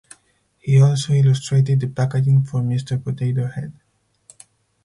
He also illustrated the packaging for Mister Potato Head.